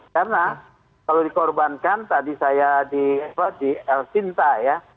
karena kalau dikorbankan tadi saya di el sinta ya